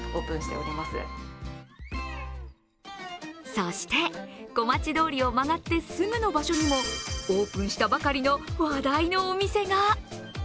そして、小町通りを曲がってすぐの場所にもオープンしたばかりの話題のお店が。